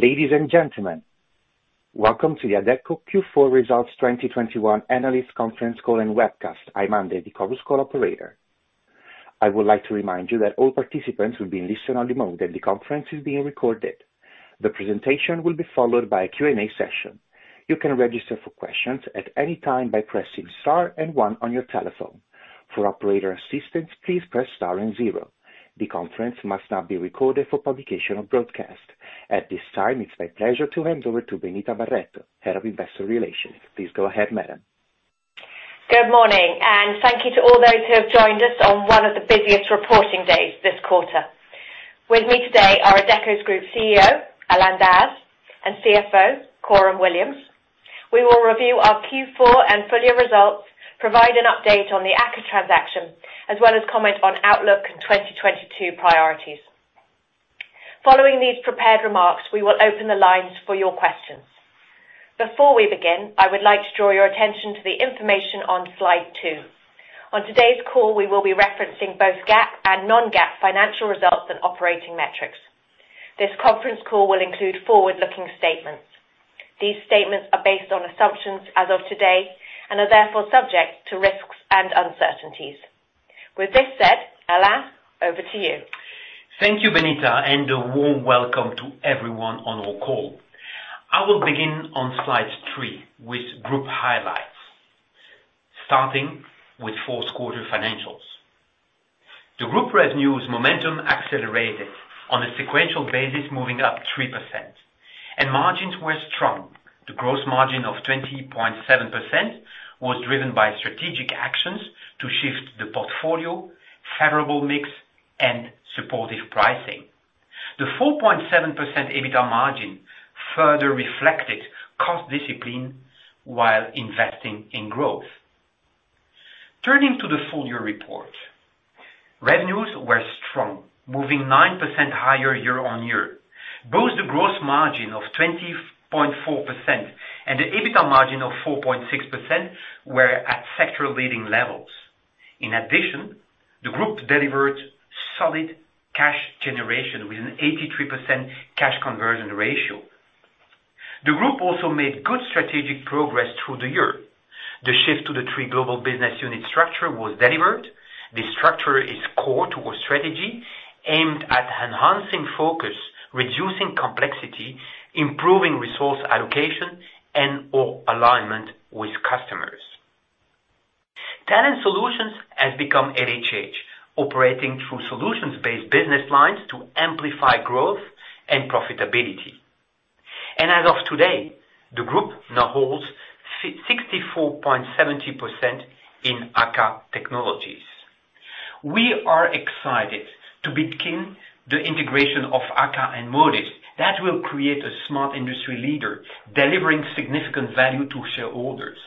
Ladies and gentlemen, welcome to the Adecco Q4 Results 2021 analyst conference call and webcast. I'm Andy, the conference call operator. I would like to remind you that all participants will be in listen only mode, and the conference is being recorded. The presentation will be followed by a Q&A session. You can register for questions at any time by pressing star and one on your telephone. For operator assistance, please press star and zero. The conference must not be recorded for publication or broadcast. At this time, it's my pleasure to hand over to Benita Barretto, Head of Investor Relations. Please go ahead, madam. Good morning, and thank you to all those who have joined us on one of the busiest reporting days this quarter. With me today are Adecco Group CEO, Alain Dehaze, and CFO, Coram Williams. We will review our Q4 and full year results, provide an update on the AKKA transaction, as well as comment on outlook and 2022 priorities. Following these prepared remarks, we will open the lines for your questions. Before we begin, I would like to draw your attention to the information on slide two. On today's call, we will be referencing both GAAP and non-GAAP financial results and operating metrics. This conference call will include forward-looking statements. These statements are based on assumptions as of today and are therefore subject to risks and uncertainties. With this said, Alain, over to you. Thank you, Benita, and a warm welcome to everyone on our call. I will begin on slide three with group highlights, starting with fourth quarter financials. The group revenues momentum accelerated on a sequential basis, moving up 3%, and margins were strong. The gross margin of 20.7% was driven by strategic actions to shift the portfolio, favorable mix, and supportive pricing. The 4.7% EBITA margin further reflected cost discipline while investing in growth. Turning to the full year report. Revenues were strong, moving 9% higher year-on-year. Both the gross margin of 20.4% and the EBITA margin of 4.6% were at sector leading levels. In addition, the group delivered solid cash generation with an 83% cash conversion ratio. The group also made good strategic progress through the year. The shift to the three global business unit structure was delivered. The structure is core to our strategy, aimed at enhancing focus, reducing complexity, improving resource allocation, and/or alignment with customers. Talent solutions has become LHH, operating through solutions-based business lines to amplify growth and profitability. As of today, the group now holds 64.70% in AKKA Technologies. We are excited to begin the integration of AKKA and Modis. That will create a smart industry leader, delivering significant value to shareholders.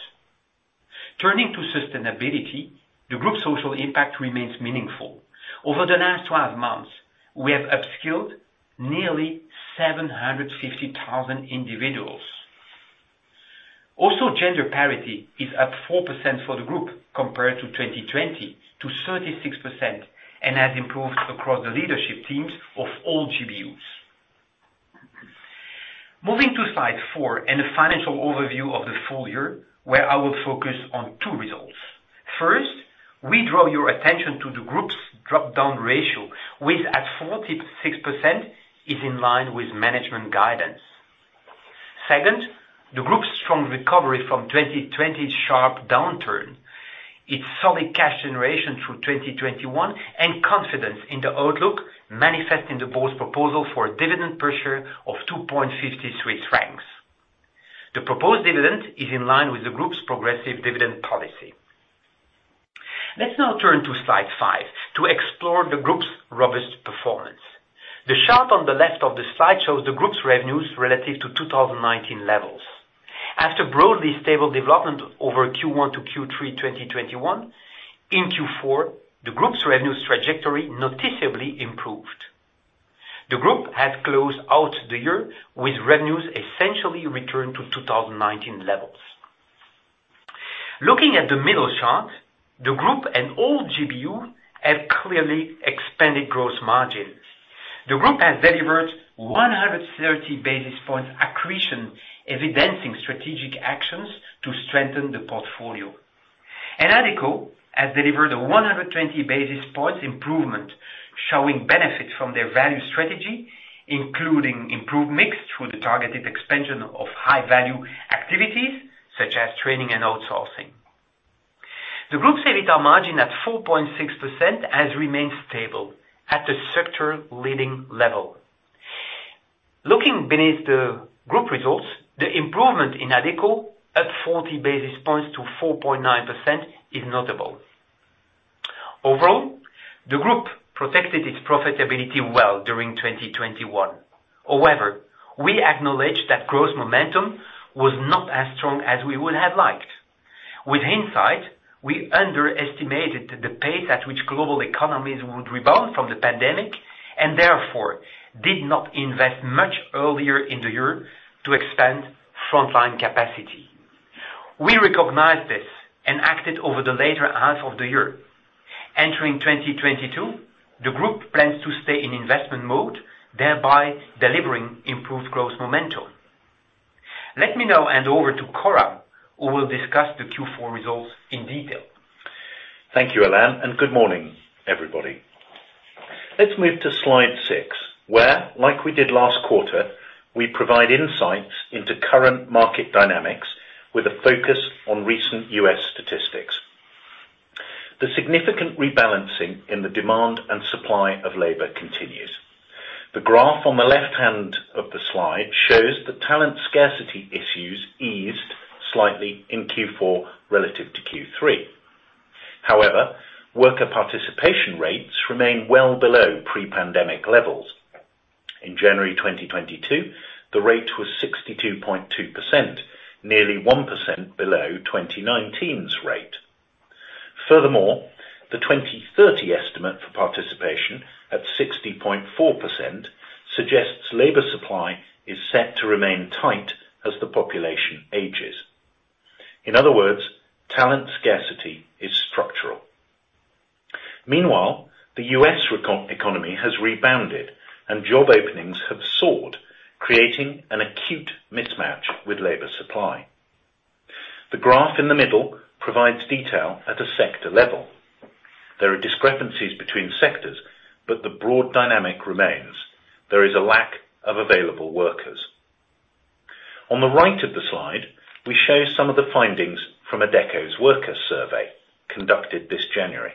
Turning to sustainability, the group's social impact remains meaningful. Over the last 12 months, we have upskilled nearly 750,000 individuals. Also, gender parity is up 4% for the group compared to 2020, to 36%, and has improved across the leadership teams of all GBUs. Moving to slide four and a financial overview of the full year, where I will focus on two results. First, we draw your attention to the group's drop-down ratio, which at 46%, is in line with management guidance. Second, the group's strong recovery from 2020's sharp downturn, its solid cash generation through 2021, and confidence in the outlook manifest in the board's proposal for a dividend per share of 2.53 francs. The proposed dividend is in line with the group's progressive dividend policy. Let's now turn to slide five to explore the group's robust performance. The chart on the left of the slide shows the group's revenues relative to 2019 levels. After broadly stable development over Q1 to Q3, 2021, in Q4, the group's revenues trajectory noticeably improved. The group has closed out the year with revenues essentially returned to 2019 levels. Looking at the middle chart, the group and all GBU have clearly expanded gross margin. The group has delivered 130 basis points accretion, evidencing strategic actions to strengthen the portfolio. Adecco has delivered a 120 basis points improvement, showing benefit from their value strategy, including improved mix through the targeted expansion of high-value activities such as training and outsourcing. The group's EBITA margin at 4.6% has remained stable at a sector leading level. Looking beneath the group results, the improvement in Adecco at 40 basis points to 4.9% is notable. Overall, the group protected its profitability well during 2021. However, we acknowledge that growth momentum was not as strong as we would have liked. With hindsight, we underestimated the pace at which global economies would rebound from the pandemic and therefore did not invest much earlier in the year to expand frontline capacity. We recognize this and acted over the later half of the year. Entering 2022, the group plans to stay in investment mode, thereby delivering improved growth momentum. Let me now hand over to Coram, who will discuss the Q4 results in detail. Thank you, Alain, and good morning, everybody. Let's move to slide 6, where like we did last quarter, we provide insights into current market dynamics with a focus on recent U.S. statistics. The significant rebalancing in the demand and supply of labor continues. The graph on the left hand of the slide shows that talent scarcity issues eased slightly in Q4 relative to Q3. However, worker participation rates remain well below pre-pandemic levels. In January 2022, the rate was 62.2%, nearly 1% below 2019's rate. Furthermore, the 2030 estimate for participation at 60.4% suggests labor supply is set to remain tight as the population ages. In other words, talent scarcity is structural. Meanwhile, the U.S. economy has rebounded and job openings have soared, creating an acute mismatch with labor supply. The graph in the middle provides detail at a sector level. There are discrepancies between sectors, but the broad dynamic remains. There is a lack of available workers. On the right of the slide, we show some of the findings from Adecco's worker survey conducted this January.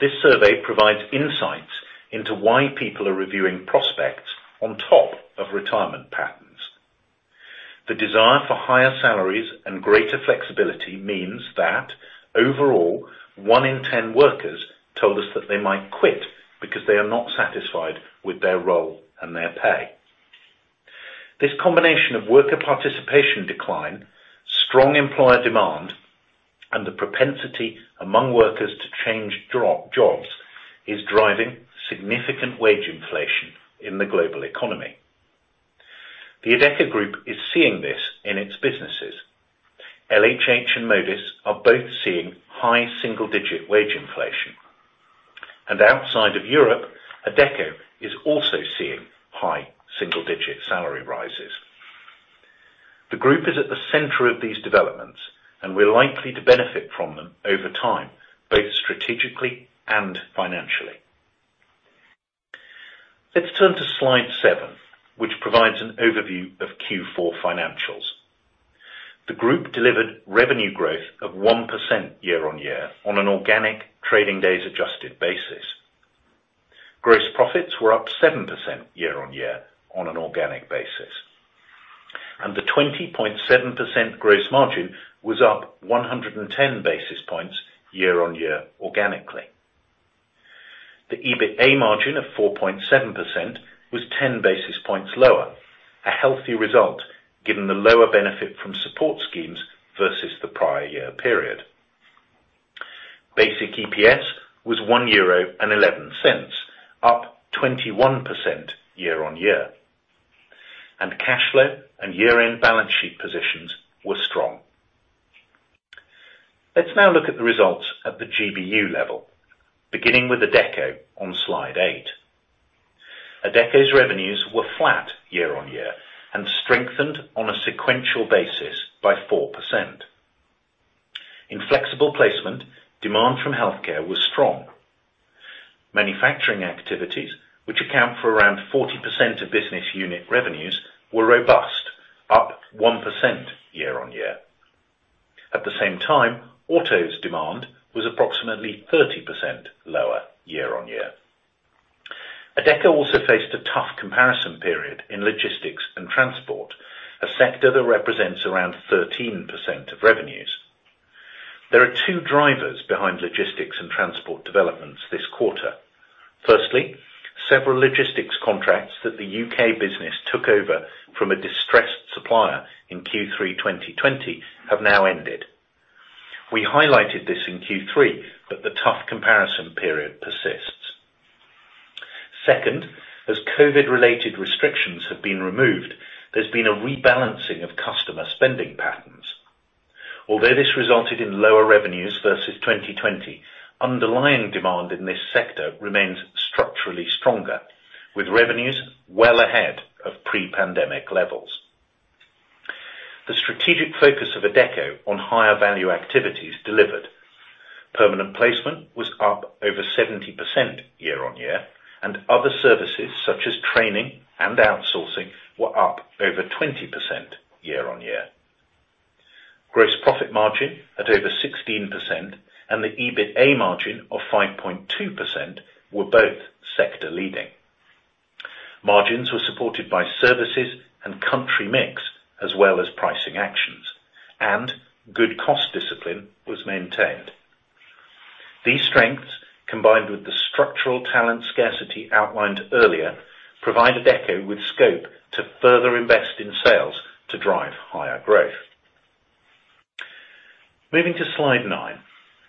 This survey provides insights into why people are reviewing prospects on top of retirement patterns. The desire for higher salaries and greater flexibility means that overall, one in ten workers told us that they might quit because they are not satisfied with their role and their pay. This combination of worker participation decline, strong employer demand, and the propensity among workers to change jobs is driving significant wage inflation in the global economy. The Adecco Group is seeing this in its businesses. LHH and Modis are both seeing high single-digit wage inflation. Outside of Europe, Adecco is also seeing high single-digit salary rises. The group is at the center of these developments, and we're likely to benefit from them over time, both strategically and financially. Let's turn to slide seven, which provides an overview of Q4 financials. The group delivered revenue growth of 1% year-on-year on an organic trading days adjusted basis. Gross profits were up 7% year-on-year on an organic basis, and the 20.7% gross margin was up 110 basis points year-on-year organically. The EBITA margin of 4.7% was 10 basis points lower, a healthy result given the lower benefit from support schemes versus the prior year period. Basic EPS was 1.11 euro, up 21% year-on-year. Cash flow and year-end balance sheet positions were strong. Let's now look at the results at the GBU level, beginning with Adecco on slide eight. Adecco's revenues were flat year-on-year, and strengthened on a sequential basis by 4%. In flexible placement, demand from healthcare was strong. Manufacturing activities, which account for around 40% of business unit revenues, were robust, up 1% year-on-year. At the same time, autos demand was approximately 30% lower year-on-year. Adecco also faced a tough comparison period in logistics and transport, a sector that represents around 13% of revenues. There are two drivers behind logistics and transport developments this quarter. Firstly, several logistics contracts that the U.K. business took over from a distressed supplier in Q3 2020 have now ended. We highlighted this in Q3 that the tough comparison period persists. Second, as COVID-related restrictions have been removed, there's been a rebalancing of customer spending patterns. Although this resulted in lower revenues versus 2020, underlying demand in this sector remains structurally stronger, with revenues well ahead of pre-pandemic levels. The strategic focus of Adecco on higher value activities delivered. Permanent placement was up over 70% year-on-year, and other services such as training and outsourcing were up over 20% year-on-year. Gross profit margin at over 16% and the EBITA margin of 5.2% were both sector leading. Margins were supported by services and country mix, as well as pricing actions, and good cost discipline was maintained. These strengths, combined with the structural talent scarcity outlined earlier, provide Adecco with scope to further invest in sales to drive higher growth. Moving to slide 9,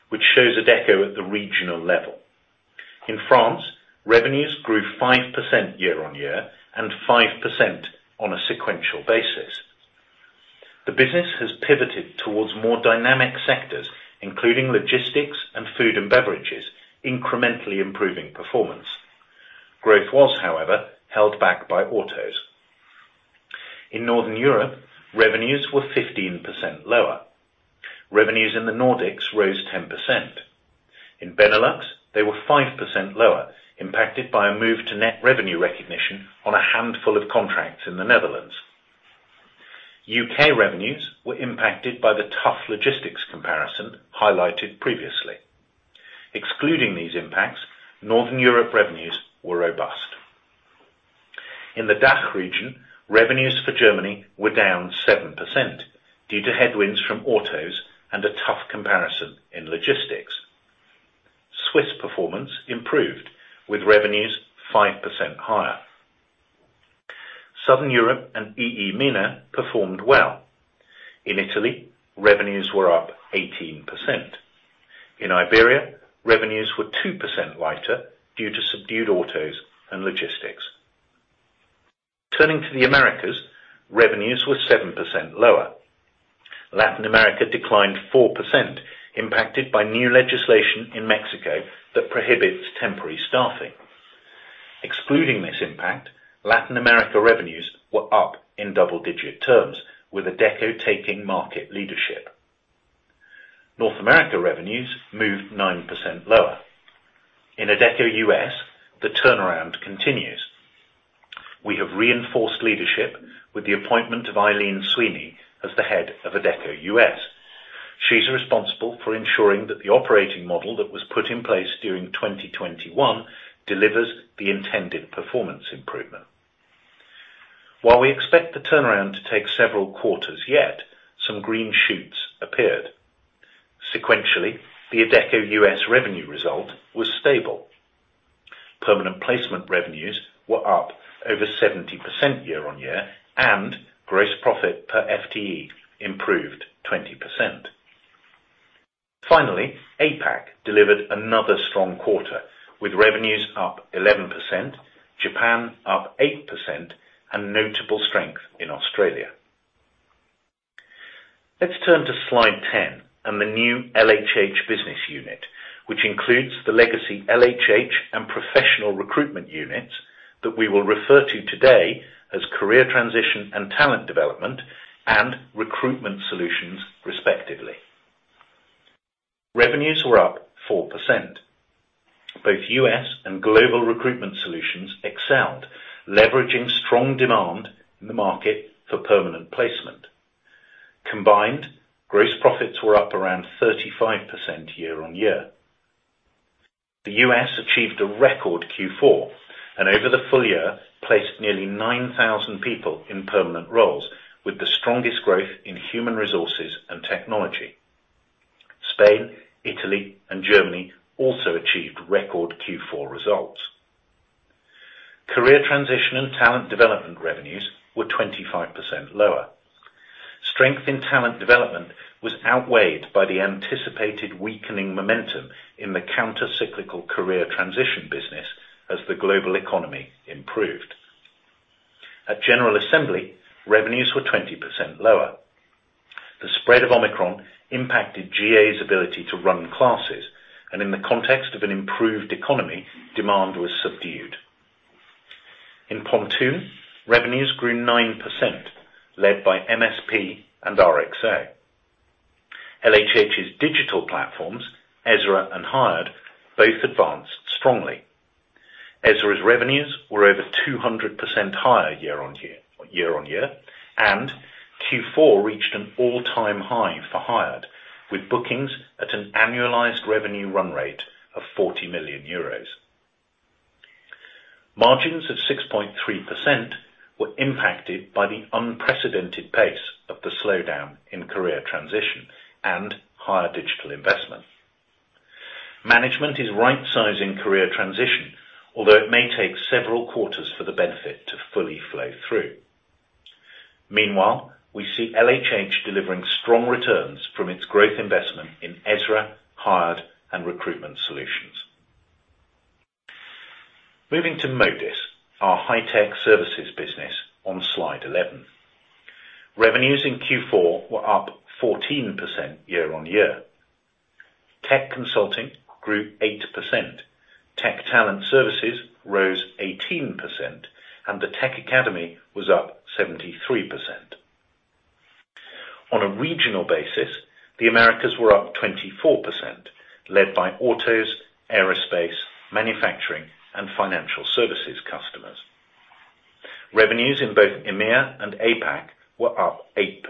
which shows Adecco at the regional level. In France, revenues grew 5% year-on-year and 5% on a sequential basis. The business has pivoted towards more dynamic sectors, including logistics and food and beverages, incrementally improving performance. Growth was, however, held back by autos. In Northern Europe, revenues were 15% lower. Revenues in the Nordics rose 10%. In Benelux, they were 5% lower, impacted by a move to net revenue recognition on a handful of contracts in the Netherlands. U.K. revenues were impacted by the tough logistics comparison highlighted previously. Excluding these impacts, Northern Europe revenues were robust. In the DACH region, revenues for Germany were down 7% due to headwinds from autos and a tough comparison in logistics. Swiss performance improved with revenues 5% higher. Southern Europe and EEMENA performed well. In Italy, revenues were up 18%. In Iberia, revenues were 2% lighter due to subdued autos and logistics. Turning to the Americas, revenues were 7% lower. Latin America declined 4%, impacted by new legislation in Mexico that prohibits temporary staffing. Excluding this impact, Latin America revenues were up in double-digit terms, with Adecco taking market leadership. North America revenues moved 9% lower. In Adecco U.S., the turnaround continues. We have reinforced leadership with the appointment of Eileen Sweeney as the head of Adecco U.S. She's responsible for ensuring that the operating model that was put in place during 2021 delivers the intended performance improvement. While we expect the turnaround to take several quarters yet, some green shoots appeared. Sequentially, the Adecco U.S. revenue result was stable. Permanent placement revenues were up over 70% year-on-year, and gross profit per FTE improved 20%. Finally, APAC delivered another strong quarter, with revenues up 11%, Japan up 8%, and notable strength in Australia. Let's turn to slide 10 and the new LHH business unit, which includes the legacy LHH and professional recruitment units that we will refer to today as career transition and talent development and recruitment solutions, respectively. Revenues were up 4%. Both U.S. and global recruitment solutions excelled, leveraging strong demand in the market for permanent placement. Combined, gross profits were up around 35% year-on-year. The U.S. achieved a record Q4, and over the full year, placed nearly 9,000 people in permanent roles with the strongest growth in human resources and technology. Spain, Italy, and Germany also achieved record Q4 results. Career transition and talent development revenues were 25% lower. Strength in talent development was outweighed by the anticipated weakening momentum in the counter-cyclical career transition business as the global economy improved. At General Assembly, revenues were 20% lower. The spread of Omicron impacted GA's ability to run classes, and in the context of an improved economy, demand was subdued. In Pontoon, revenues grew 9%, led by MSP and RXO. LHH's digital platforms, Ezra and Hired, both advanced strongly. Ezra's revenues were over 200% higher year-on-year, and Q4 reached an all-time high for Hired, with bookings at an annualized revenue run rate of 40 million euros. Margins of 6.3% were impacted by the unprecedented pace of the slowdown in career transition and higher digital investment. Management is rightsizing career transition, although it may take several quarters for the benefit to fully flow through. Meanwhile, we see LHH delivering strong returns from its growth investment in Ezra, Hired, and Recruitment Solutions. Moving to Modis, our high-tech services business on Slide 11. Revenues in Q4 were up 14% year-on-year. Tech consulting grew 8%. Tech talent services rose 18%, and the Tech Academy was up 73%. On a regional basis, the Americas were up 24%, led by autos, aerospace, manufacturing, and financial services customers. Revenues in both EMEA and APAC were up 8%,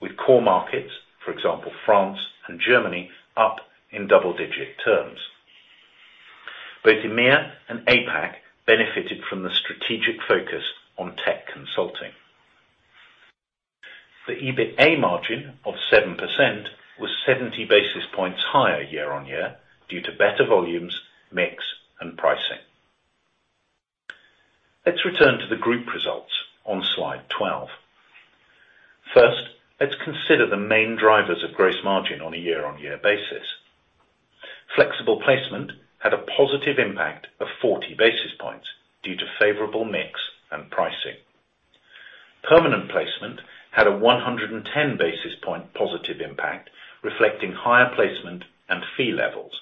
with core markets, for example, France and Germany, up in double-digit terms. Both EMEA and APAC benefited from the strategic focus on tech consulting. The EBITA margin of 7% was 70 basis points higher year-on-year due to better volumes, mix, and pricing. Let's return to the group results on slide 12. First, let's consider the main drivers of gross margin on a year-on-year basis. Flexible placement had a positive impact of 40 basis points due to favorable mix and pricing. Permanent placement had a 110 basis point positive impact, reflecting higher placement and fee levels.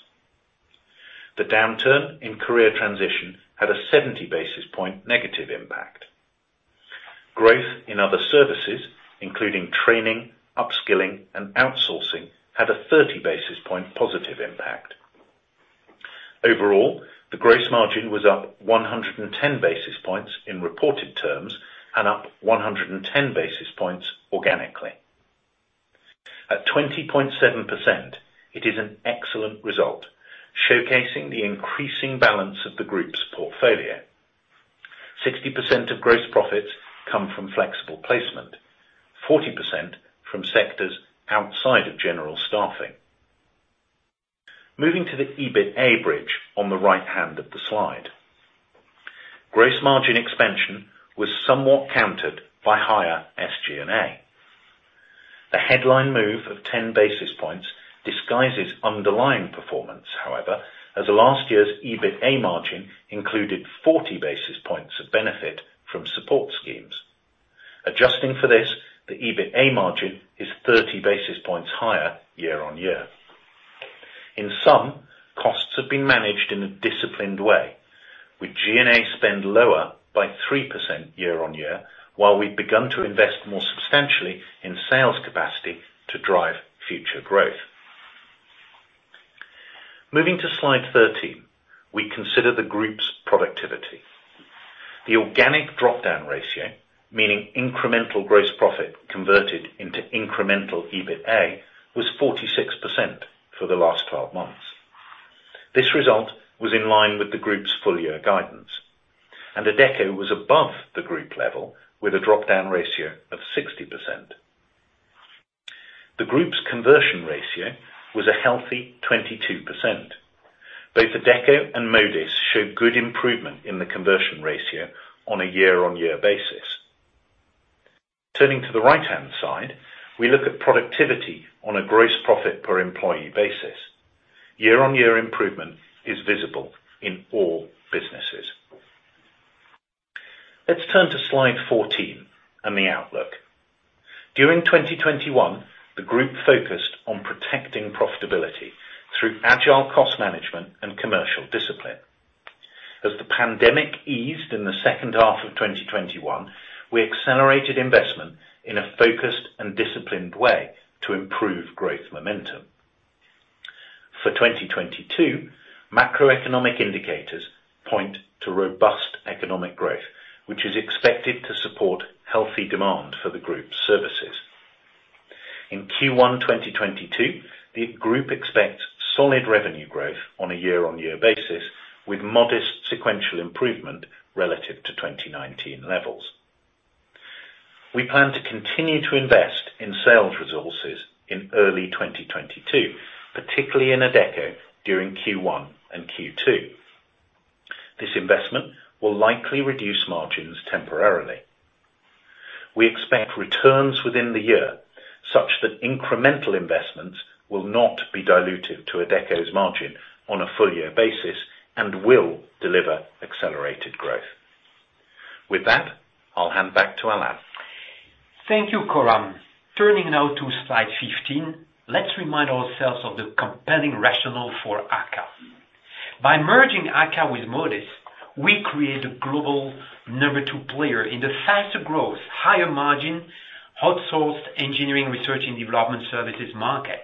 The downturn in career transition had a 70 basis point negative impact. Growth in other services, including training, upskilling, and outsourcing, had a 30 basis point positive impact. Overall, the gross margin was up 110 basis points in reported terms and up 110 basis point organically. At 20.7%, it is an excellent result, showcasing the increasing balance of the group's portfolio. 60% of gross profits come from flexible placement, 40% from sectors outside of general staffing. Moving to the EBITA bridge on the right-hand of the slide. Gross margin expansion was somewhat countered by higher SG&A. The headline move of 10 basis points disguises underlying performance, however, as last year's EBITA margin included 40 basis points of benefit from support schemes. Adjusting for this, the EBITA margin is 30 basis points higher year on year. In sum, costs have been managed in a disciplined way, with G&A spend lower by 3% year on year, while we've begun to invest more substantially in sales capacity to drive future growth. Moving to slide 13, we consider the group's productivity. The organic drop-down ratio, meaning incremental gross profit converted into incremental EBITA, was 46% for the last twelve months. This result was in line with the group's full year guidance, and Adecco was above the group level with a drop-down ratio of 60%. The group's conversion ratio was a healthy 22%. Both Adecco and Modis showed good improvement in the conversion ratio on a year-on-year basis. Turning to the right-hand side, we look at productivity on a gross profit per employee basis. Year-on-year improvement is visible in all businesses. Let's turn to slide 14 and the outlook. During 2021, the group focused on protecting profitability through agile cost management and commercial discipline. As the pandemic eased in the second half of 2021, we accelerated investment in a focused and disciplined way to improve growth momentum. For 2022, macroeconomic indicators point to robust economic growth, which is expected to support healthy demand for the group's services. In Q1 2022, the group expects solid revenue growth on a year-on-year basis, with modest sequential improvement relative to 2019 levels. We plan to continue to invest in sales resources in early 2022, particularly in Adecco during Q1 and Q2. This investment will likely reduce margins temporarily. We expect returns within the year, such that incremental investments will not be diluted to Adecco's margin on a full year basis and will deliver accelerated growth. With that, I'll hand back to Alain. Thank you, Coram. Turning now to slide 15, let's remind ourselves of the compelling rationale for AKKA. By merging AKKA with Modis, we create a global number two player in the faster growth, higher margin, outsourced engineering research and development services market.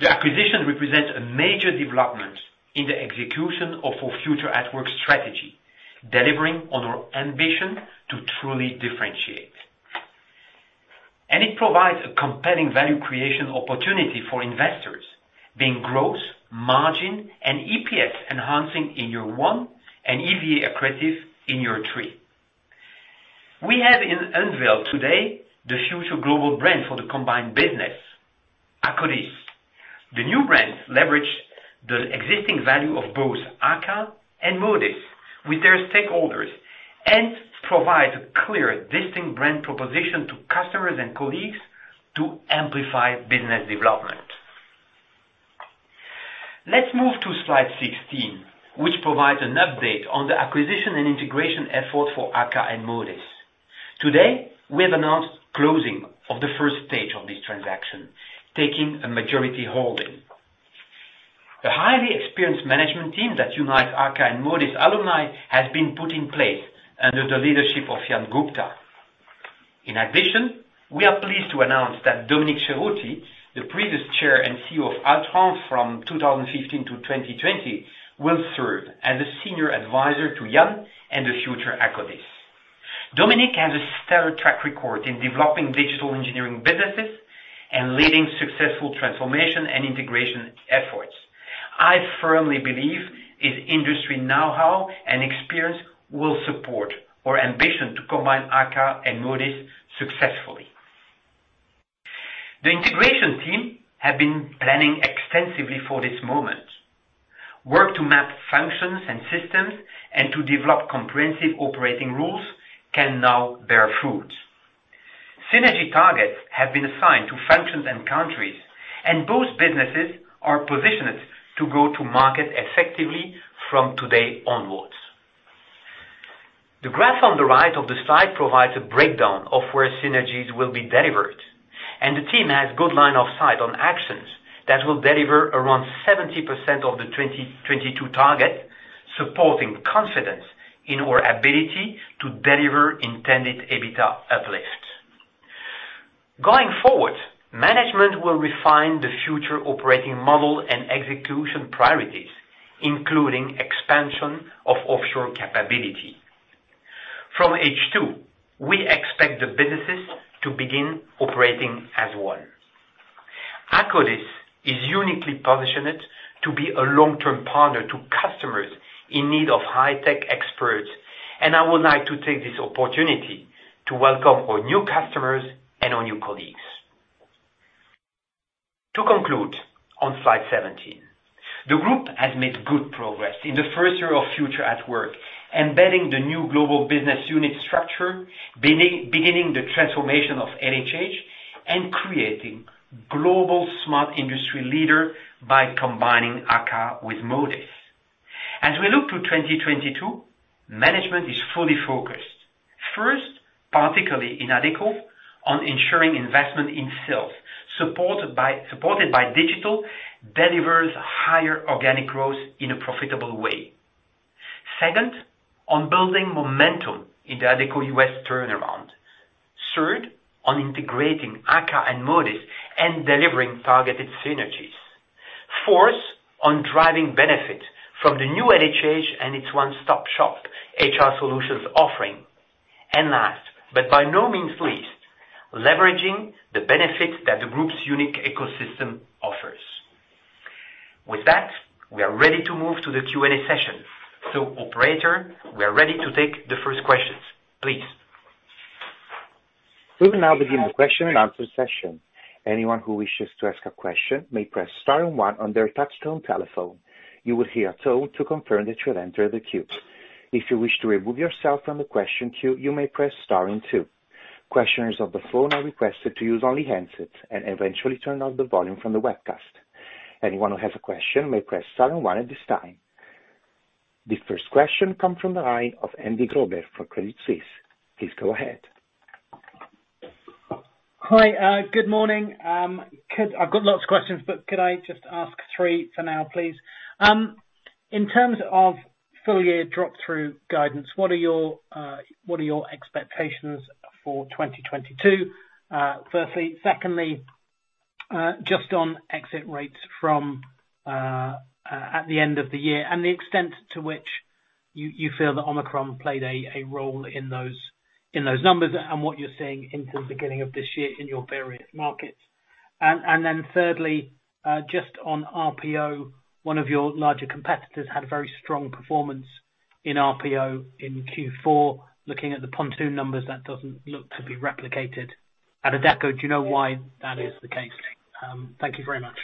The acquisition represents a major development in the execution of our Future@Work strategy, delivering on our ambition to truly differentiate. It provides a compelling value creation opportunity for investors, being growth, margin, and EPS enhancing in year one and EVA accretive in year three. We have unveiled today the future global brand for the combined business, Akkodis. The new brands leverage the existing value of both AKKA and Modis with their stakeholders and provide a clear distinct brand proposition to customers and colleagues to amplify business development. Let's move to slide 16, which provides an update on the acquisition and integration effort for AKKA and Modis. Today, we have announced closing of the first stage of this transaction, taking a majority holding. The highly experienced management team that unites AKKA and Modis alumni has been put in place under the leadership of Jan Gupta. In addition, we are pleased to announce that Dominique Cerutti, the previous Chair and CEO of Altran from 2015 to 2020, will serve as a Senior Advisor to Jan and the future Akkodis. Dominique has a stellar track record in developing digital engineering businesses and leading successful transformation and integration efforts. I firmly believe his industry know-how and experience will support our ambition to combine AKKA and Modis successfully. The integration team have been planning extensively for this moment. Work to map functions and systems and to develop comprehensive operating rules can now bear fruit. Synergy targets have been assigned to functions and countries, and both businesses are positioned to go to market effectively from today onwards. The graph on the right of the slide provides a breakdown of where synergies will be delivered, and the team has good line of sight on actions that will deliver around 70% of the 2022 target, supporting confidence in our ability to deliver intended EBITA uplift. Going forward, management will refine the future operating model and execution priorities, including expansion of offshore capability. From H2, we expect the businesses to begin operating as one. Akkodis is uniquely positioned to be a long-term partner to customers in need of high-tech experts, and I would like to take this opportunity to welcome our new customers and our new colleagues. To conclude, on slide 17. The group has made good progress in the first year of Future@Work, embedding the new global business unit structure, beginning the transformation of LHH and creating global smart industry leader by combining AKKA with Modis. As we look to 2022, management is fully focused, first, particularly in Adecco on ensuring investment in sales, supported by Digital, delivers higher organic growth in a profitable way. Second, on building momentum in the Adecco U.S. turnaround. Third, on integrating AKKA and Modis and delivering targeted synergies. Fourth, on driving benefit from the new LHH and its one-stop-shop HR solutions offering. Last, but by no means least, leveraging the benefits that the group's unique ecosystem offers. With that, we are ready to move to the Q&A session. Operator, we are ready to take the first questions, please. We will now begin the question and answer session. Anyone who wishes to ask a question may press star and one on their touchtone telephone. You will hear a tone to confirm that you have entered the queue. If you wish to remove yourself from the question queue, you may press star and two. Questioners on the phone are requested to use only handsets and eventually turn down the volume from the webcast. Anyone who has a question may press star and one at this time. The first question comes from the line of Andrew Grobler for Credit Suisse. Please go ahead. Hi, good morning. I've got lots of questions, but could I just ask three for now, please? In terms of full-year drop-down guidance, what are your expectations for 2022, firstly? Secondly, just on exit rates from at the end of the year and the extent to which you feel that Omicron played a role in those numbers and what you're seeing into the beginning of this year in your various markets. Thirdly, just on RPO, one of your larger competitors had a very strong performance in RPO in Q4. Looking at the Pontoon numbers, that doesn't look to be replicated at Adecco. Do you know why that is the case? Thank you very much.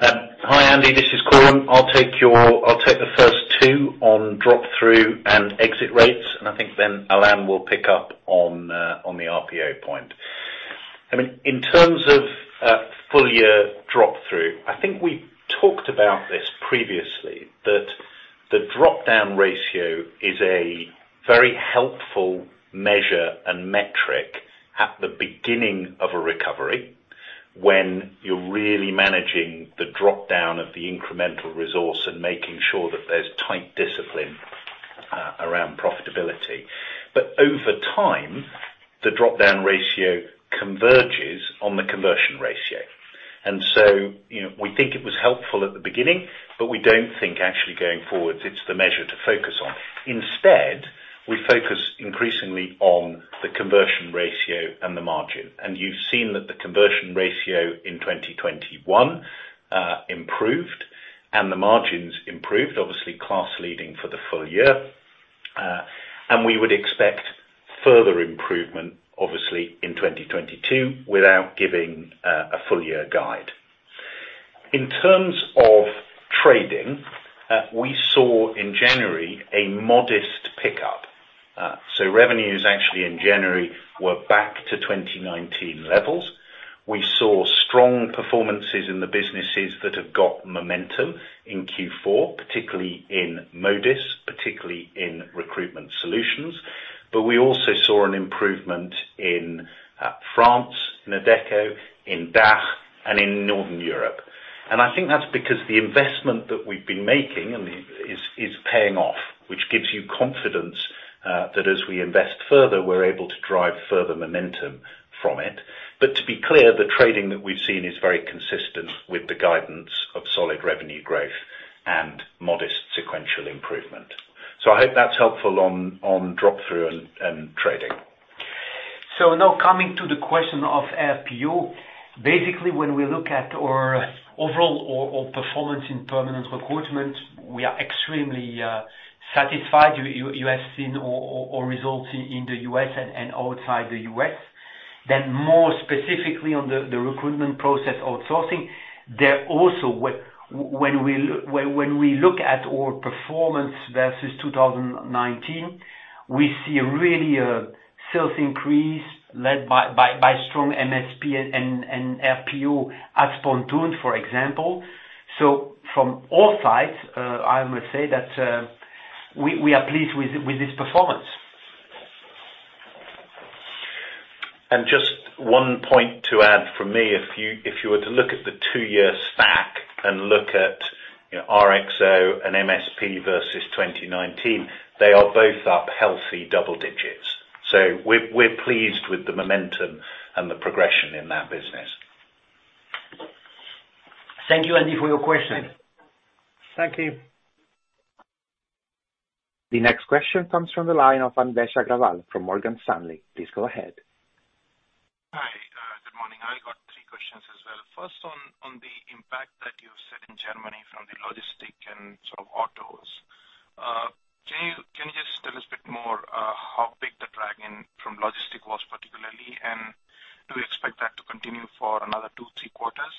Hi, Andy. This is Coram. I'll take the first two on drop-down and exit rates, and I think then Alain will pick up on the RPO point. I mean, in terms of full year drop-down, I think we talked about this previously, that the drop-down ratio is a very helpful measure and metric at the beginning of a recovery when you're really managing the drop-down of the incremental resource and making sure that there's tight discipline around profitability. But over time, the drop-down ratio converges on the conversion ratio. You know, we think it was helpful at the beginning, but we don't think actually going forward, it's the measure to focus on. Instead, we focus increasingly on the conversion ratio and the margin. You've seen that the conversion ratio in 2021 improved and the margins improved, obviously class leading for the full year. We would expect further improvement obviously in 2022 without giving a full year guide. In terms of trading, we saw in January a modest pickup. Revenues actually in January were back to 2019 levels. We saw strong performances in the businesses that have got momentum in Q4, particularly in Modis, particularly in Recruitment Solutions. But we also saw an improvement in France, in Adecco, in DACH, and in Northern Europe. I think that's because the investment that we've been making and is paying off, which gives you confidence that as we invest further, we're able to drive further momentum from it. To be clear, the trading that we've seen is very consistent with the guidance of solid revenue growth and modest sequential improvement. I hope that's helpful on drop-down and trading. Now coming to the question of RPO. Basically, when we look at our overall performance in permanent recruitment, we are extremely satisfied. You have seen our results in the U.S. and outside the U.S. More specifically on the recruitment process outsourcing, there also when we look at our performance versus 2019, we see really a sales increase led by strong MSP and RPO at Pontoon, for example. From all sides, I must say that we are pleased with this performance. Just one point to add from me. If you were to look at the two-year stack and look at, you know, RXO and MSP versus 2019, they are both up healthy double digits. We're pleased with the momentum and the progression in that business. Thank you, Andy, for your question. Thank you. The next question comes from the line of Anvesh Agrawal from Morgan Stanley. Please go ahead. Hi. Good morning. I got three questions as well. First, on the impact that you've said in Germany from the logistics and sort of autos. Can you just tell us a bit more how big the drag from logistics was particularly? Do you expect that to continue for another two, three quarters?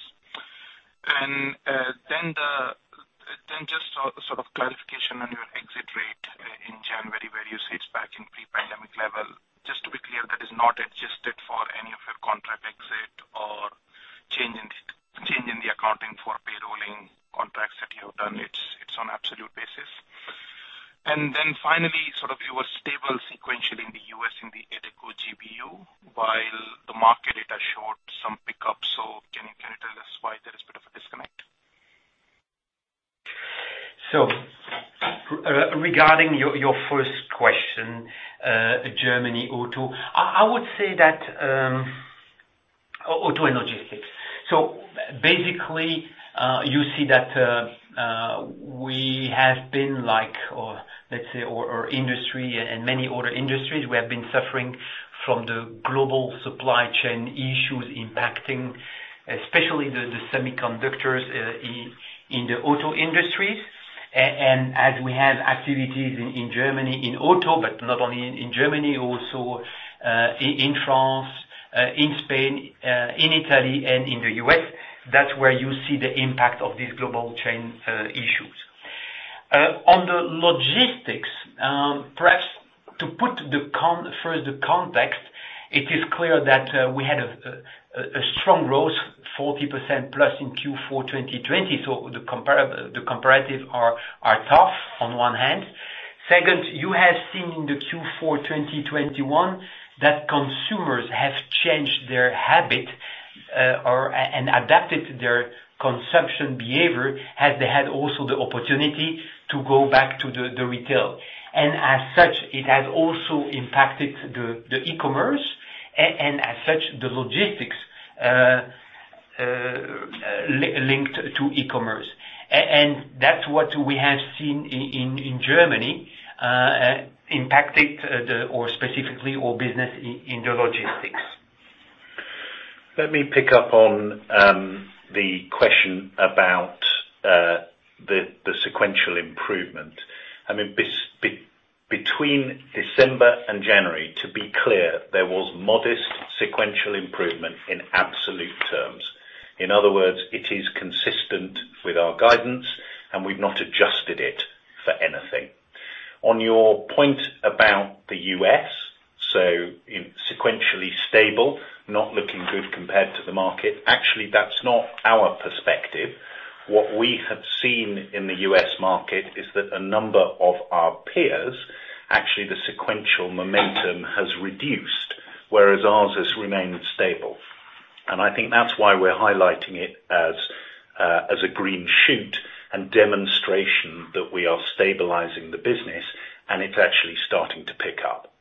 Just sort of clarification on your exit rate in January, where you said it's back in pre-pandemic level. Just to be clear, that is not adjusted for any of your contract exit or change in the accounting for payrolling contracts that you have done. It's on absolute basis. Finally, sort of you were stable sequentially in the U.S. in the Adecco GBU, while the market data showed some pickup. Can you tell us why there is a bit of a disconnect? Regarding your first question, Germany auto. I would say that auto and logistics. Basically, you see that we have been like or let's say our industry and many other industries, we have been suffering from the global supply chain issues impacting especially the semiconductors in the auto industries. As we have activities in Germany in auto, but not only in Germany, also in France, in Spain, in Italy and in the U.S., that's where you see the impact of these global chain issues. On the logistics, perhaps to put further context, it is clear that we had a strong growth 40% plus in Q4 2020, so the comparatives are tough on one hand. Second, you have seen in Q4 2021 that consumers have changed their habit and adapted their consumption behavior as they had also the opportunity to go back to the retail. As such, it has also impacted the e-commerce and as such, the logistics linked to e-commerce. That's what we have seen in Germany, impacted there or specifically our business in the logistics. Let me pick up on the question about the sequential improvement. I mean, between December and January, to be clear, there was modest sequential improvement in absolute terms. In other words, it is consistent with our guidance, and we've not adjusted it for anything. On your point about the U.S., sequentially stable, not looking good compared to the market. Actually, that's not our perspective. What we have seen in the U.S. market is that a number of our peers, actually the sequential momentum has reduced, whereas ours has remained stable. I think that's why we're highlighting it as a green shoot and demonstration that we are stabilizing the business and it's actually starting to pick up.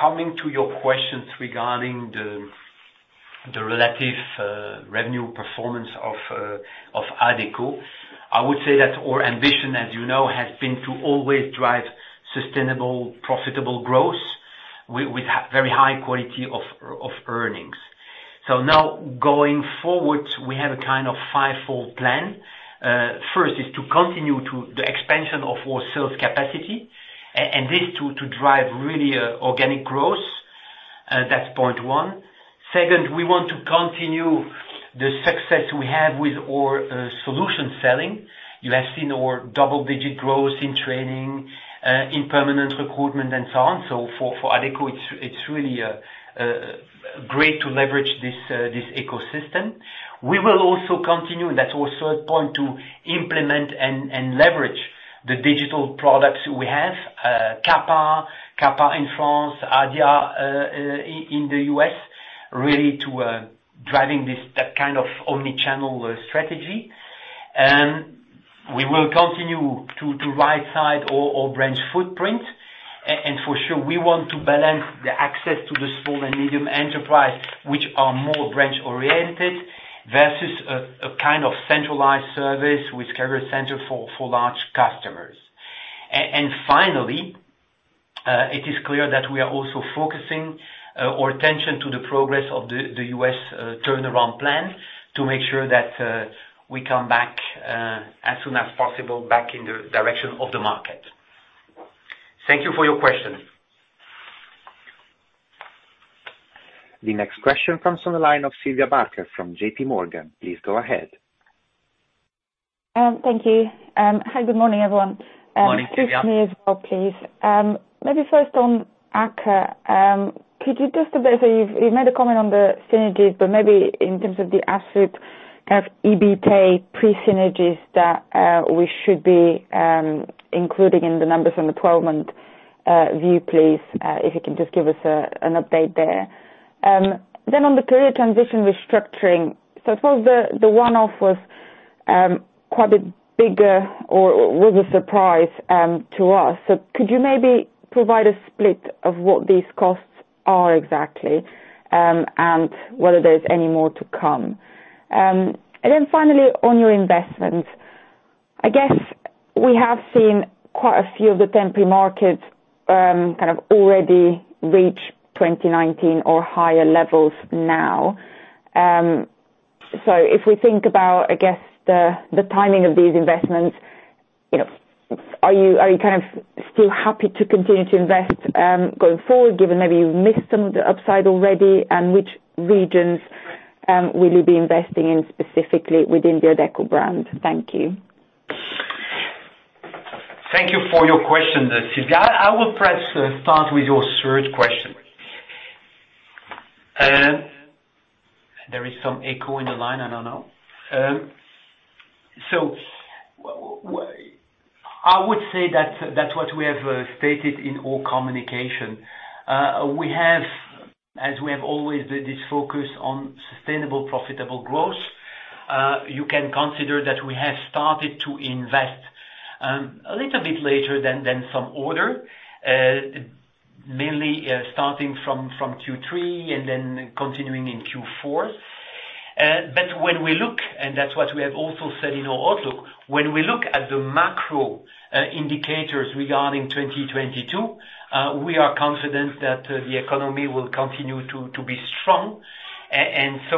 Coming to your questions regarding the relative revenue performance of Adecco. I would say that our ambition, as you know, has been to always drive sustainable, profitable growth with very high quality of earnings. Now going forward, we have a kind of five-fold plan. First is to continue the expansion of our sales capacity, and this to drive really organic growth. That's point one. Second, we want to continue the success we have with our solution selling. You have seen our double-digit growth in training, in permanent recruitment and so on. For Adecco, it's really great to leverage this ecosystem. We will also continue, that's our third point, to implement and leverage the digital products we have, QAPA in France, Adia in the U.S., really to drive that kind of omni-channel strategy. We will continue to rightsize our branch footprint. For sure, we want to balance the access to the small and medium enterprises which are more branch oriented versus a kind of centralized service with career center for large customers. Finally, it is clear that we are also focusing our attention to the progress of the U.S. turnaround plan to make sure that we come back as soon as possible back in the direction of the market. Thank you for your question. The next question comes from the line of Sylvia Barker from J.P. Morgan. Please go ahead. Thank you. Hi, good morning, everyone. Morning, Sylvia. To me as well, please. Maybe first on AKKA, could you just update. You've made a comment on the synergies, but maybe in terms of the adjusted EBITA pre-synergies that we should be including in the numbers in the twelve-month view, please, if you can just give us an update there. Then on the career transition restructuring, I suppose the one-off was quite a big surprise to us. Could you maybe provide a split of what these costs are exactly, and whether there's any more to come? Then finally, on your investments, I guess we have seen quite a few of the temping markets kind of already reach 2019 or higher levels now. If we think about, I guess, the timing of these investments, you know, are you kind of still happy to continue to invest going forward, given maybe you've missed some of the upside already? Which regions will you be investing in specifically within the Adecco brand? Thank you. Thank you for your question, Sylvia. I will perhaps start with your third question. There is some echo in the line. I don't know. I would say that that's what we have stated in all communication. We have, as we have always been this focus on sustainable, profitable growth. You can consider that we have started to invest a little bit later than some others, mainly starting from Q3 and then continuing in Q4. But when we look and that's what we have also said in our outlook, when we look at the macro indicators regarding 2022, we are confident that the economy will continue to be strong. We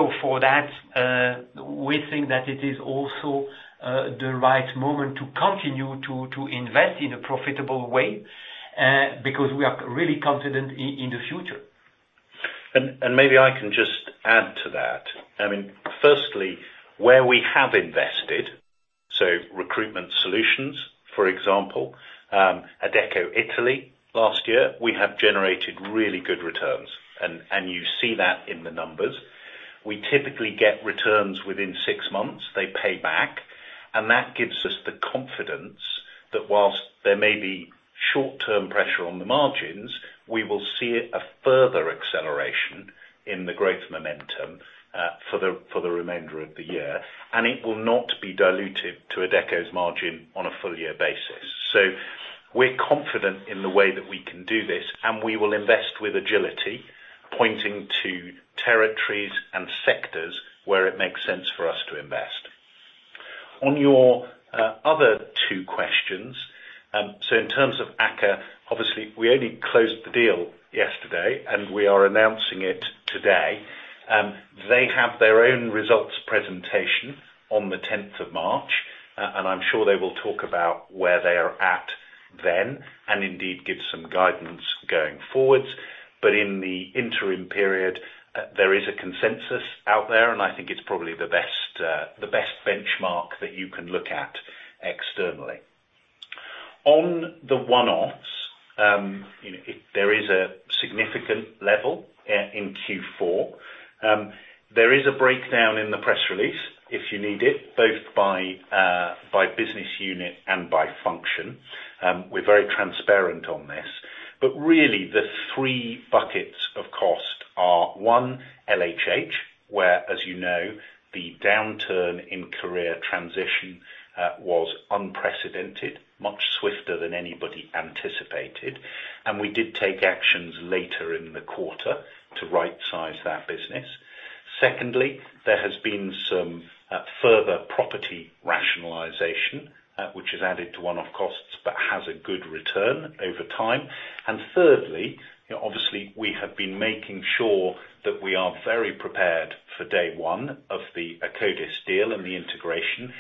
think that it is also the right moment to continue to invest in a profitable way, because we are really confident in the future. Maybe I can just add to that. I mean, firstly, where we have invested, so recruitment solutions, for example, Adecco Italy last year, we have generated really good returns. You see that in the numbers. We typically get returns within six months, they pay back. That gives us the confidence that while there may be short-term pressure on the margins, we will see a further acceleration in the growth momentum for the remainder of the year. It will not be diluted to Adecco's margin on a full year basis. We're confident in the way that we can do this, and we will invest with agility, pointing to territories and sectors where it makes sense for us to invest. On your other two questions, in terms of AKKA, obviously, we only closed the deal yesterday, and we are announcing it today. They have their own results presentation on the tenth of March, and I'm sure they will talk about where they are at then and indeed give some guidance going forwards. In the interim period, there is a consensus out there, and I think it's probably the best benchmark that you can look at externally. On the one-offs, you know, there is a significant level in Q4. There is a breakdown in the press release if you need it, both by business unit and by function. We're very transparent on this. Really the three buckets of cost are one, LHH, where, as you know, the downturn in career transition was unprecedented, much swifter than anybody anticipated. We did take actions later in the quarter to rightsize that business. Secondly, there has been some further property rationalization, which has added to one-off costs but has a good return over time. Thirdly, you know, obviously, we have been making sure that we are very prepared for day one of the Akkodis deal and the integration.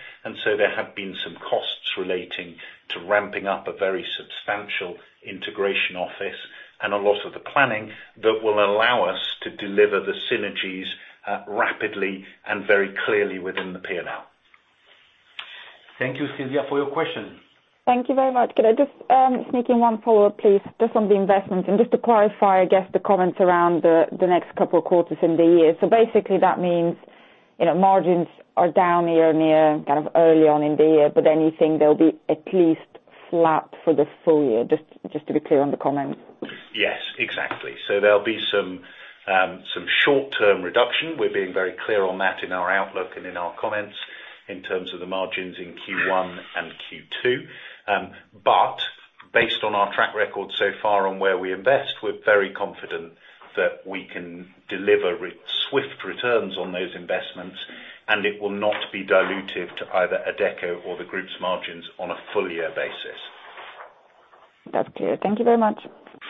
There have been some costs relating to ramping up a very substantial integration office and a lot of the planning that will allow us to deliver the synergies, rapidly and very clearly within the P&L. Thank you, Sylvia, for your question. Thank you very much. Could I just sneak in one follow-up, please? Just on the investment and just to clarify, I guess the comments around the next couple of quarters in the year. Basically that means, you know, margins are down year-on-year, kind of early on in the year, but then you think they'll be at least flat for the full year, just to be clear on the comments. Yes, exactly. There'll be some short-term reduction. We're being very clear on that in our outlook and in our comments in terms of the margins in Q1 and Q2. Based on our track record so far on where we invest, we're very confident that we can deliver swift returns on those investments, and it will not be dilutive to either Adecco or the group's margins on a full year basis. That's clear. Thank you very much.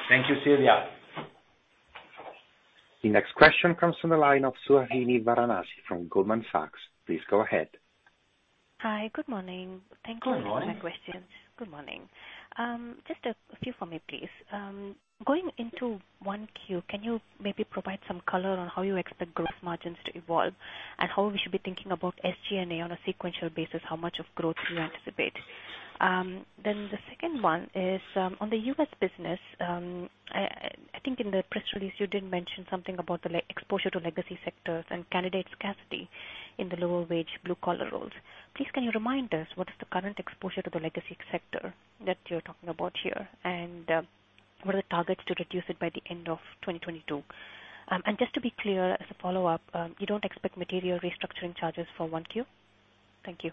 Thank you, Sylvia. The next question comes from the line of Suhasini Varanasi from Goldman Sachs. Please go ahead. Hi, good morning. Good morning. Thank you for taking my questions. Good morning. Just a few for me, please. Going into 1Q, can you maybe provide some color on how you expect gross margins to evolve and how we should be thinking about SG&A on a sequential basis, how much of growth do you anticipate? Then the second one is on the U.S. business. I think in the press release you did mention something about the exposure to legacy sectors and candidate scarcity in the lower wage blue collar roles. Please can you remind us what is the current exposure to the legacy sector that you're talking about here, and what are the targets to reduce it by the end of 2022? And just to be clear, as a follow-up, you don't expect material restructuring charges for 1Q? Thank you.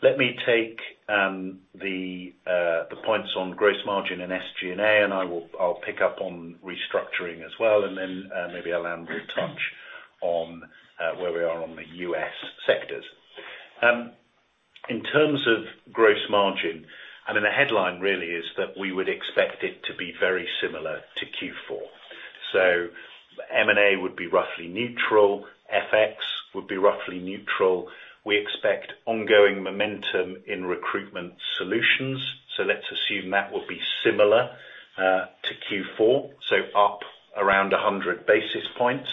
Let me take the points on gross margin and SG&A, and I'll pick up on restructuring as well, and then maybe Alain will touch on where we are on the U.S. sectors. In terms of gross margin, I mean, the headline really is that we would expect it to be very similar to Q4. M&A would be roughly neutral, FX would be roughly neutral. We expect ongoing momentum in recruitment solutions, so let's assume that will be similar to Q4, so up around 100 basis points.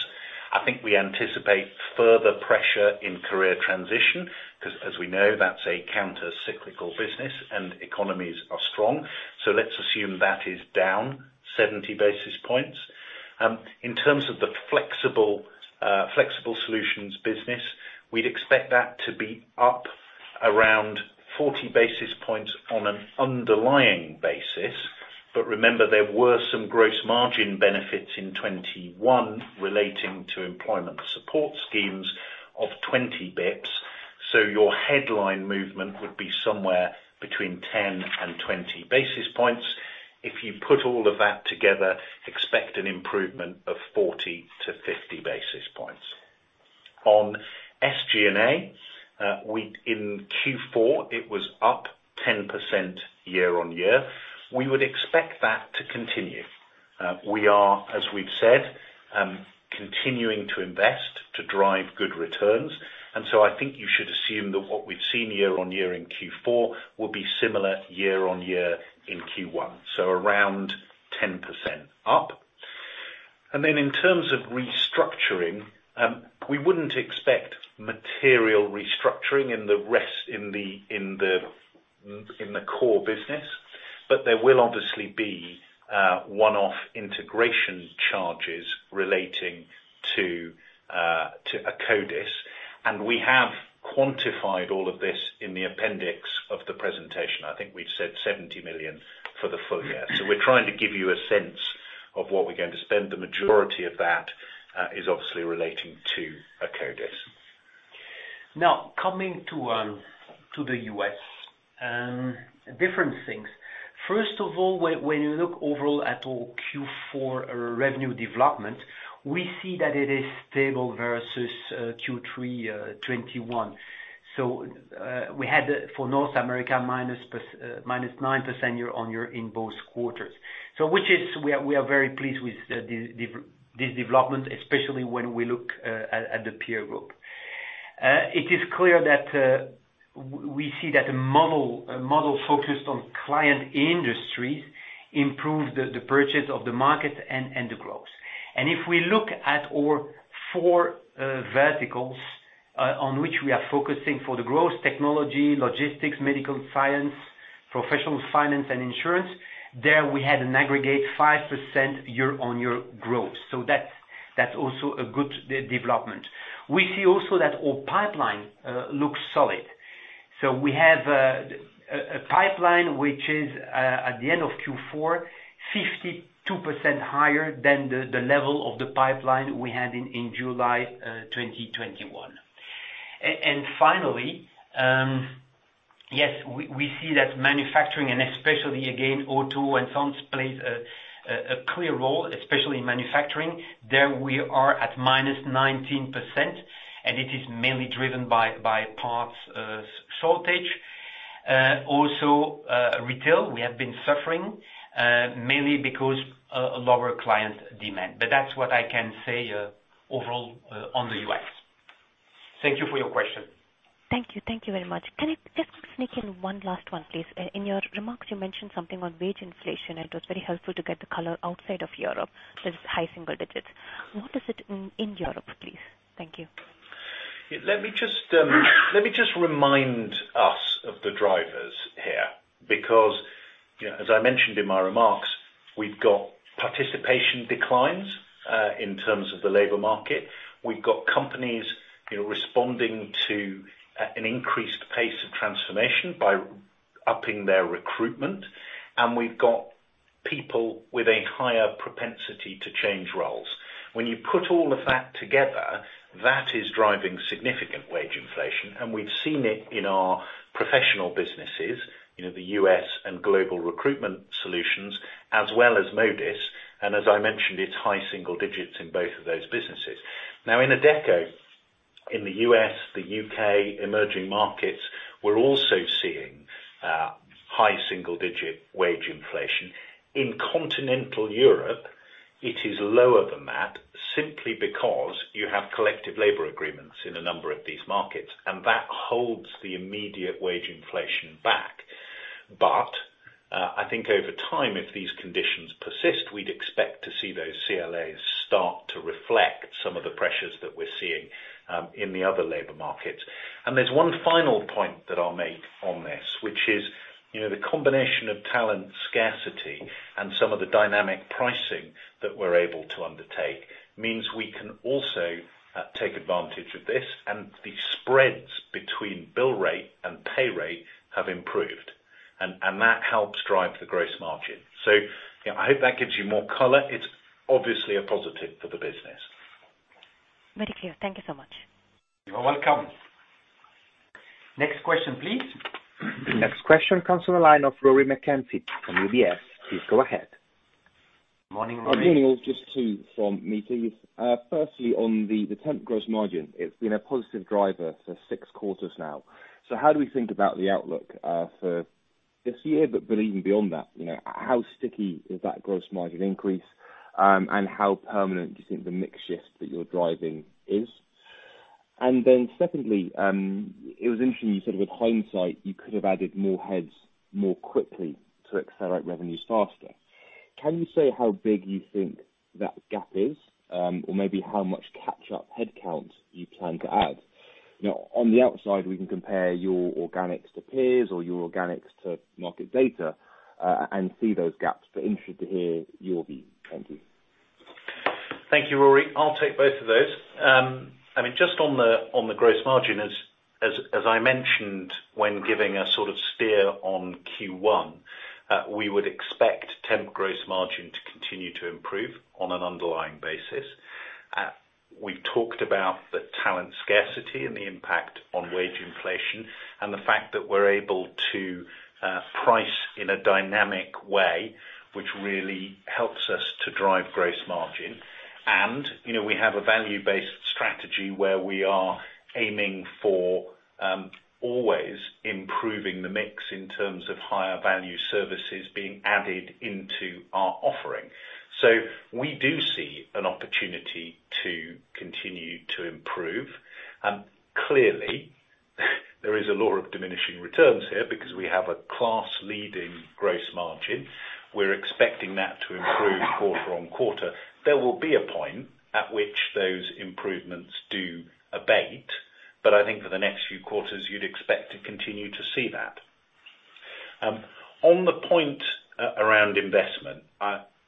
I think we anticipate further pressure in career transition, 'cause as we know, that's a counter-cyclical business and economies are strong, so let's assume that is down 70 basis points. In terms of the flexible solutions business, we'd expect that to be up around 40 basis points on an underlying basis. Remember, there were some gross margin benefits in 2021 relating to employment support schemes of 20 basis points. Your headline movement would be somewhere between 10 and 20 basis points. If you put all of that together, expect an improvement of 40-50 basis points. On SG&A, in Q4, it was up 10% year-on-year. We would expect that to continue. We are, as we've said, continuing to invest to drive good returns, and so I think you should assume that what we've seen year-on-year in Q4 will be similar year-on-year in Q1, so around 10% up. In terms of restructuring, we wouldn't expect material restructuring in the rest in the core business. There will obviously be one-off integration charges relating to Akkodis. We have quantified all of this in the appendix of the presentation. I think we've said 70 million for the full year. We're trying to give you a sense of what we're going to spend. The majority of that is obviously relating to Akkodis. Now, coming to the US, different things. First of all, when you look overall at our Q4 revenue development, we see that it is stable versus Q3 2021. We had for North America, -9% year-on-year in both quarters. We are very pleased with this development, especially when we look at the peer group. It is clear that we see that a model focused on client industries helps us outperform the market and capture the growth. If we look at our four verticals on which we are focusing for the growth, technology, logistics, medical science, professional finance and insurance, there we had an aggregate 5% year-on-year growth. That's also a good development. We see also that our pipeline looks solid. We have a pipeline which is at the end of Q4, 52% higher than the level of the pipeline we had in July 2021. Finally, we see that manufacturing and especially again auto and temps plays a clear role, especially in manufacturing. There we are at -19%, and it is mainly driven by parts shortage. Also, retail, we have been suffering mainly because lower client demand. That's what I can say overall on the U.S. Thank you for your question. Thank you. Thank you very much. Can I just sneak in one last one, please? In your remarks, you mentioned something on wage inflation. It was very helpful to get the color outside of Europe. It's high single digits. What is it in Europe, please? Thank you. Let me just remind us of the drivers here, because, you know, as I mentioned in my remarks, we've got participation declines in terms of the labor market. We've got companies, you know, responding to an increased pace of transformation by upping their recruitment. We've got people with a higher propensity to change roles. When you put all of that together, that is driving significant wage inflation, and we've seen it in our professional businesses, you know, the U.S. and global recruitment solutions as well as Modis. As I mentioned, it's high single digits in both of those businesses. Now, in Adecco, in the U.S., the U.K., emerging markets, we're also seeing high single digit wage inflation. In continental Europe, it is lower than that simply because you have collective labor agreements in a number of these markets, and that holds the immediate wage inflation back. I think over time, if these conditions persist, we'd expect to see those CLAs start to reflect some of the pressures that we're seeing in the other labor markets. There's one final point that I'll make on this, which is, you know, the combination of talent scarcity and some of the dynamic pricing that we're able to undertake means we can also take advantage of this, and the spreads between bill rate and pay rate have improved. That helps drive the gross margin. You know, I hope that gives you more color. It's obviously a positive for the business. Very clear. Thank you so much. You're welcome. Next question, please. The next question comes from the line of Rory McKenzie from UBS. Please go ahead. Morning, Rory. Good morning, all. Just two from me, please. Firstly, on the temp gross margin. It's been a positive driver for six quarters now. How do we think about the outlook for this year, but even beyond that? How sticky is that gross margin increase, and how permanent do you think the mix shift that you're driving is? Then secondly, it was interesting you said with hindsight, you could have added more heads more quickly to accelerate revenues faster. Can you say how big you think that gap is, or maybe how much catch-up headcount you plan to add? Now, on the outside, we can compare your organics to peers or your organics to market data, and see those gaps. Interested to hear your view. Thank you. Thank you, Rory. I'll take both of those. I mean, just on the gross margin, as I mentioned, when giving a sort of steer on Q1, we would expect temp gross margin to continue to improve on an underlying basis. We talked about the talent scarcity and the impact on wage inflation and the fact that we're able to price in a dynamic way, which really helps us to drive gross margin. You know, we have a value-based strategy where we are aiming for always improving the mix in terms of higher value services being added into our offering. We do see an opportunity to continue to improve. Clearly there is a law of diminishing returns here because we have a class-leading gross margin. We're expecting that to improve quarter on quarter. There will be a point at which those improvements do abate, but I think for the next few quarters, you'd expect to continue to see that. On the point around investment,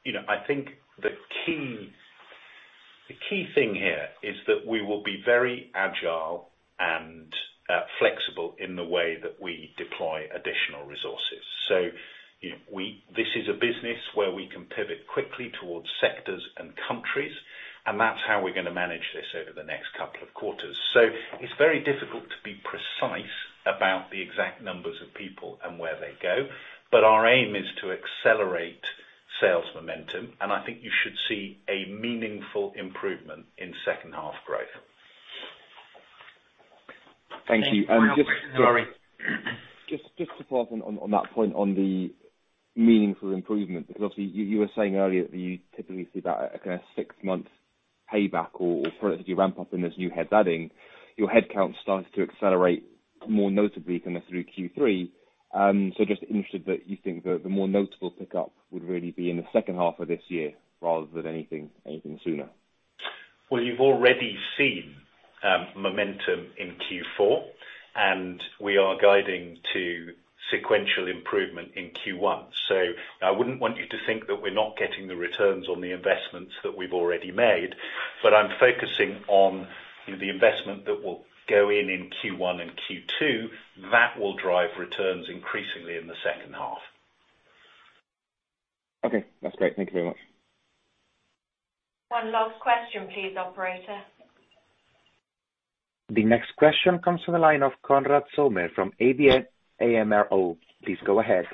you know, I think the key thing here is that we will be very agile and flexible in the way that we deploy additional resources. This is a business where we can pivot quickly towards sectors and countries, and that's how we're gonna manage this over the next couple of quarters. It's very difficult to be precise about the exact numbers of people and where they go, but our aim is to accelerate sales momentum, and I think you should see a meaningful improvement in second half growth. Thank you. One final question, Rory. Just to follow up on that point on the meaningful improvement, because obviously you were saying earlier that you typically see about a kind of six-month payback or as you ramp up in this new heads adding, your headcount starts to accelerate more notably kind of through Q3. So just interested that you think the more notable pickup would really be in the second half of this year rather than anything sooner. Well, you've already seen momentum in Q4, and we are guiding to sequential improvement in Q1. I wouldn't want you to think that we're not getting the returns on the investments that we've already made, but I'm focusing on, you know, the investment that will go in in Q1 and Q2. That will drive returns increasingly in the second half. Okay. That's great. Thank you very much. One last question, please, operator. The next question comes from the line of Konrad Zomer from ABN AMRO. Please go ahead.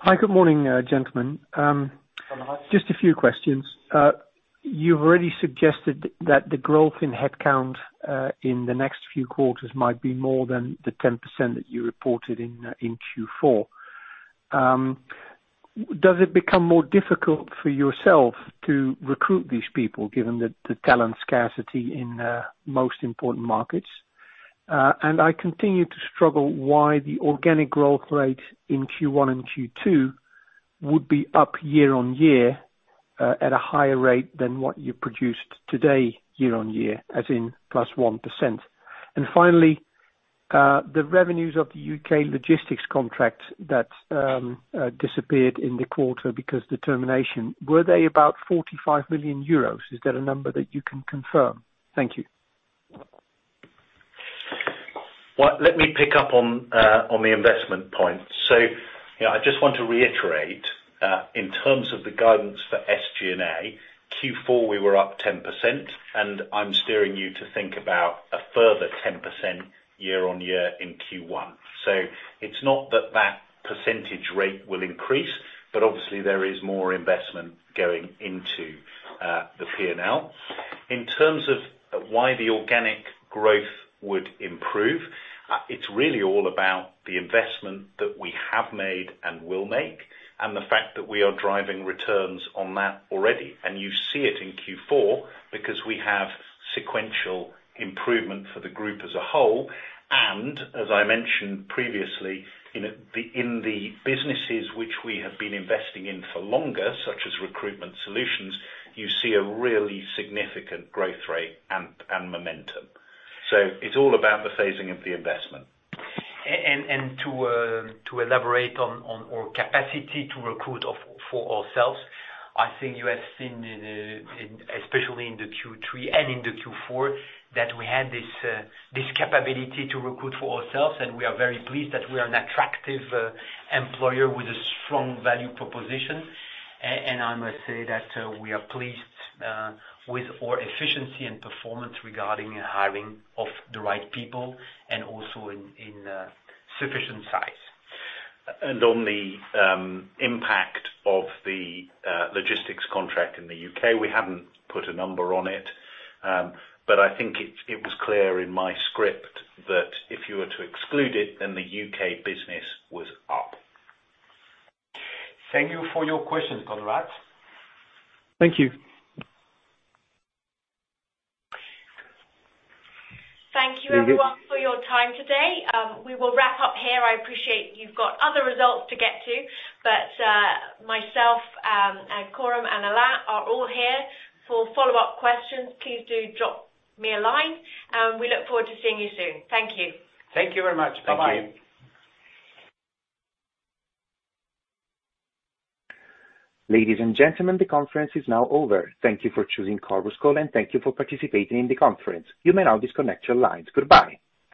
Hi. Good morning, gentlemen. Good morning. Just a few questions. You've already suggested that the growth in headcount in the next few quarters might be more than the 10% that you reported in Q4. Does it become more difficult for yourself to recruit these people, given the talent scarcity in most important markets? I continue to struggle why the organic growth rate in Q1 and Q2 would be up year-on-year at a higher rate than what you produced today year-on-year, as in +1%. Finally, the revenues of the U.K. logistics contract that disappeared in the quarter because the termination, were they about 45 million euros? Is that a number that you can confirm? Thank you. Well, let me pick up on the investment point. You know, I just want to reiterate, in terms of the guidance for SG&A, Q4, we were up 10%, and I'm steering you to think about a further 10% year-on-year in Q1. It's not that that percentage rate will increase, but obviously there is more investment going into the P&L. In terms of why the organic growth would improve, it's really all about the investment that we have made and will make, and the fact that we are driving returns on that already. You see it in Q4 because we have sequential improvement for the group as a whole. As I mentioned previously, in the businesses which we have been investing in for longer, such as Recruitment Solutions, you see a really significant growth rate and momentum. It's all about the phasing of the investment. To elaborate on our capacity to recruit for ourselves, I think you have seen especially in the Q3 and in the Q4 that we had this capability to recruit for ourselves, and we are very pleased that we are an attractive employer with a strong value proposition. I must say that we are pleased with our efficiency and performance regarding hiring of the right people and also in sufficient size. On the impact of the logistics contract in the U.K., we haven't put a number on it. I think it was clear in my script that if you were to exclude it, then the U.K. business was up. Thank you for your questions, Konrad. Thank you. Thank you everyone for your time today. We will wrap up here. I appreciate you've got other results to get to. Myself and Coram and Alain are all here for follow-up questions. Please do drop me a line. We look forward to seeing you soon. Thank you. Thank you very much. Bye-bye. Thank you. Ladies and gentlemen, the conference is now over. Thank you for choosing Chorus Call, and thank you for participating in the conference. You may now disconnect your lines. Goodbye.